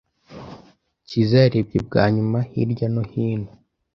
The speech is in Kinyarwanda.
Cyiza yarebye bwa nyuma hirya no hino.